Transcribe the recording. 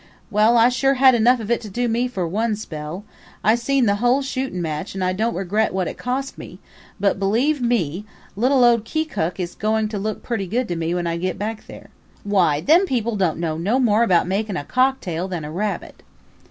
... "Well, I sure had enough of it to do me for one spell. I seen the whole shootin' match and I don't regret what it cost me, but, believe me, little old Keokuk is goin' to look purty good to me when I get back there. Why, them people don't know no more about makin' a cocktail than a rabbit."